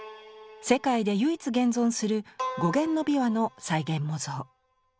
世界で唯一現存する五弦の琵琶の再現模造。